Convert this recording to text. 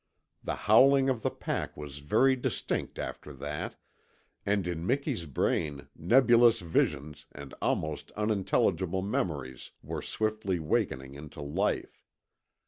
The howling of the pack was very distinct after that, and in Miki's brain nebulous visions and almost unintelligible memories were swiftly wakening into life.